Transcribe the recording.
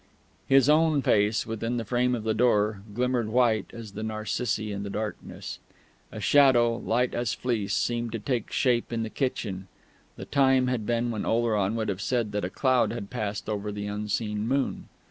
His own face, within the frame of the door, glimmered white as the narcissi in the darkness.... A shadow, light as fleece, seemed to take shape in the kitchen (the time had been when Oleron would have said that a cloud had passed over the unseen moon).